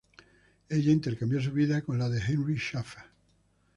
Ella intercambió su vida con la de Heinrich Schäfer.